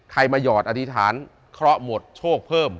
ใครมาหยอดอธิษฐานขอหมดช่วงเปิ่ม